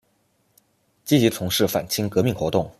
积极从事反清革命活动。